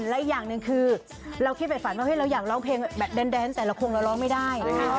และอีกอย่างหนึ่งคือเราคิดแบบฝันว่าเราอยากร้องเพลงแบบแดนแต่เราคงเราร้องไม่ได้